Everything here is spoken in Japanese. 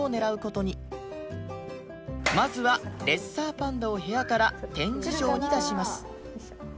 まずはレッサーパンダを部屋から展示場に出します